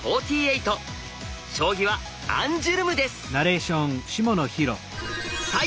将棋はアンジュルムです。